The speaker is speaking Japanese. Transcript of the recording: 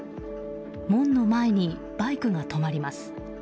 門の前にバイクが止まります。